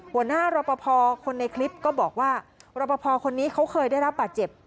หัวหน้ารับประพอคนในคลิปก็บอกว่ารับประพอคนนี้เขาเคยได้รับป่าเจ็บ